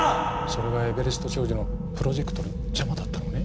それがエベレスト商事のプロジェクトの邪魔だったのね。